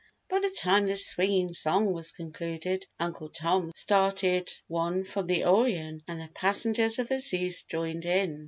By the time this swinging song was concluded Uncle Tom started one from the Orion and the passengers of the Zeus joined in.